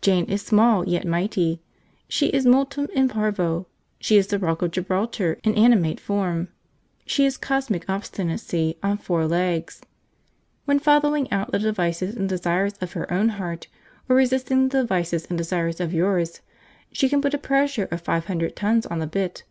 Jane is small, yet mighty. She is multum in parvo; she is the rock of Gibraltar in animate form; she is cosmic obstinacy on four legs. When following out the devices and desires of her own heart, or resisting the devices and desires of yours, she can put a pressure of five hundred tons on the bit.